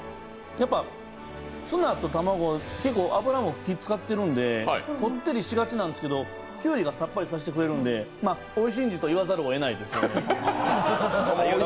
やっぱツナと卵結構、油も使ってるんでこってりしがちなんですけどきゅうりがさっぱりさせてくれるのでおいしんじ！と言わざるをえないですね。